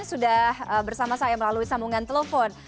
sudah bersama saya melalui sambungan telepon